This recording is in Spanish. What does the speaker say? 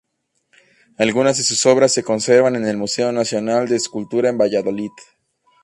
Algunas de sus obras se conservan en el Museo Nacional de Escultura de Valladolid.